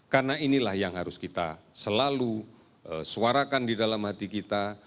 karena inilah yang harus kita selalu suarakan di dalam hati kita